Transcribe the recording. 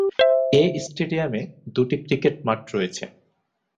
এ স্টেডিয়ামে দু'টি ক্রিকেট মাঠ রয়েছে।